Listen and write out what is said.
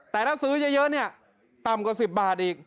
แต่ถ้าซื้อเยอะเนี่ยต่ำกว่า๑๐บาทอีก